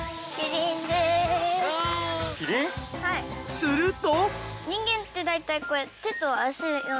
すると。